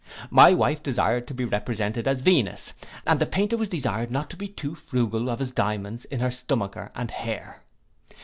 My wife desired to be represented as Venus, and the painter was desired not to be too frugal of his diamonds in her stomacher and hair.